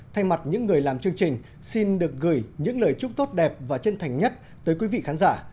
thay mặt những người làm chương trình xin được gửi những lời chúc tốt đẹp và chân thành nhất tới quý vị khán giả